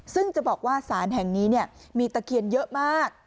ซึ่งจะบอกว่าสารแห่งนี้มีตะเคียนเยอะมาก